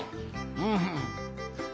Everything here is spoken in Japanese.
うん。